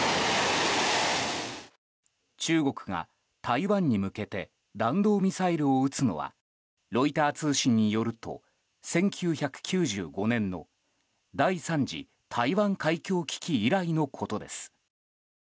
中国が台湾に向けて弾道ミサイルを撃つのはロイター通信によると１９９５年の第３次台湾海峡危機以来のことです。